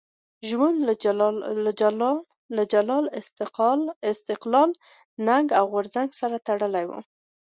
ژوند له جلال، استقلال، ننګ او غورځنګ سره تړلی وو.